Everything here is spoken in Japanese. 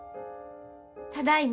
ただいま。